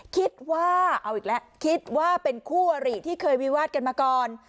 คิดว่าเอาอีกแล้วคิดว่าเป็นคู่อริที่เคยวิวาดกันมาก่อน